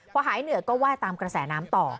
พอหายเหนื่อยก็ไหว้ตามกระแสน้ำต่อ